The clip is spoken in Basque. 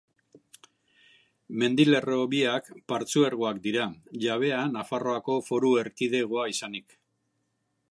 Mendilerro biak partzuergoak dira, jabea Nafarroako Foru Erkidegoa izanik.